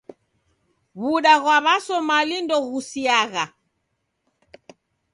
W'uda ghwa W'asomali ndoghusiagha.